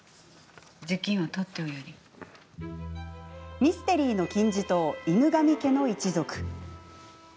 ミステリーの金字塔「犬神家の一族」。